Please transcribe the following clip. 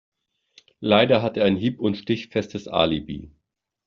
Leider hat er ein hieb- und stichfestes Alibi.